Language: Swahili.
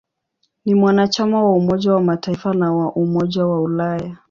Ni mwanachama wa Umoja wa Mataifa na wa Umoja wa Ulaya.